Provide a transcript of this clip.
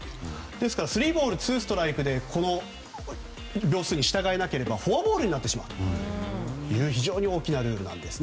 ですからスリーボールツーストライクでこの秒数に従えなければフォアボールになってしまうという非常に大きなルールなんです。